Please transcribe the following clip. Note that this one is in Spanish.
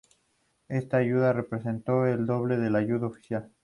Esta ayuda representó el doble de la ayuda oficial.